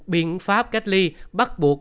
biện pháp cách ly bắt buộc